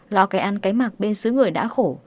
lo cái ăn cái mạc bên xứ người đã khổ